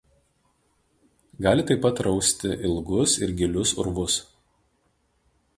Gali taip pat rausti ilgus ir gilius urvus.